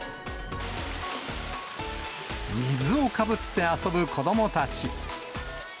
水をかぶって遊ぶ子どもたち。